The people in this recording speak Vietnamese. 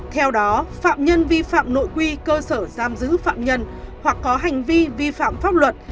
theo đó phạm nhân vi phạm nội quy cơ sở giam giữ phạm nhân hoặc có hành vi vi phạm pháp luật